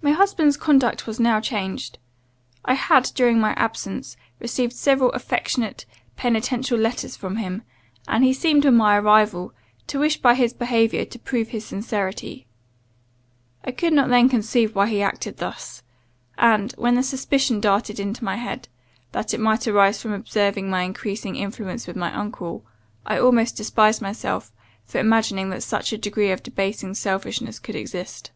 My husband's conduct was now changed; I had during my absence, received several affectionate, penitential letters from him; and he seemed on my arrival, to wish by his behaviour to prove his sincerity. I could not then conceive why he acted thus; and, when the suspicion darted into my head, that it might arise from observing my increasing influence with my uncle, I almost despised myself for imagining that such a degree of debasing selfishness could exist.